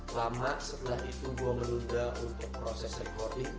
lama setelah itu gue menunda untuk proses recording